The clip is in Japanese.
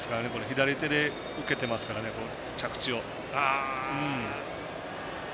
左手で受けてますから、着地を。